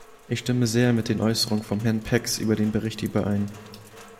Ich stimme sehr mit den Äußerungen von Herrn Pex über den Bericht überein.